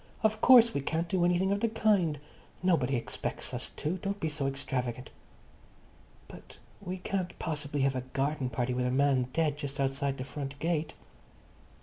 Of course we can't do anything of the kind. Nobody expects us to. Don't be so extravagant." "But we can't possibly have a garden party with a man dead just outside the front gate."